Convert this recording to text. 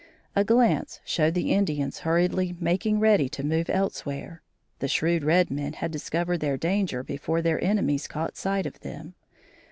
A glance showed the Indians hurriedly making ready to move elsewhere. The shrewd red men had discovered their danger before their enemies caught sight of them.